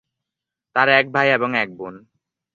তার এক ভাই এবং এক বোন।